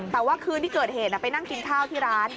แต่ว่าคืนที่เกิดเหตุไปนั่งกินข้าวที่ร้าน